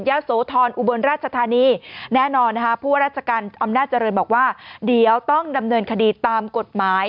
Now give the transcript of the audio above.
อย่าโสทรอุบรรณราชภัณฑ์นี้แน่นอนนะคะพูดว่าราชการอำนาจริย์บอกว่าเดี๋ยวต้องดำเนินคดีตามกฎหมาย